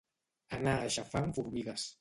Anar aixafant formigues.